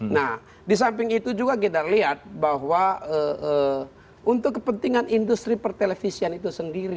nah di samping itu juga kita lihat bahwa untuk kepentingan industri pertelevisian itu sendiri